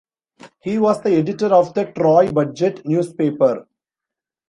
He was the editor of the "Troy Budget" newspaper.